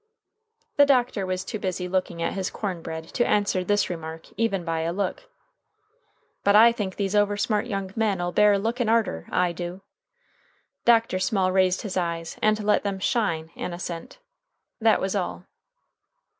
The doctor was too busy looking at his corn bread to answer this remark even by a look. "But I think these oversmart young men'll bear looking arter, I do." Dr. Small raised his eyes and let them shine an assent. That was all.